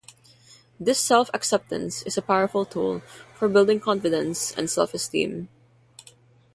This self-acceptance is a powerful tool for building confidence and self-esteem.